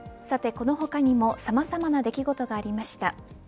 さて、この他にもさまざまな出来事がありました。